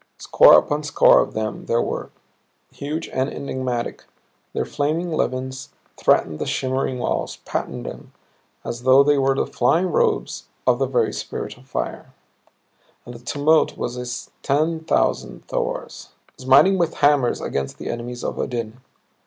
Score upon score of them there were huge and enigmatic. Their flaming levins threaded the shimmering veils, patterned them, as though they were the flying robes of the very spirit of fire. And the tumult was as ten thousand Thors, smiting with hammers against the enemies of Odin.